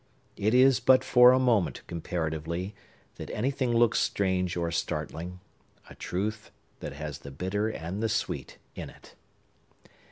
It is but for a moment, comparatively, that anything looks strange or startling,—a truth that has the bitter and the sweet in it.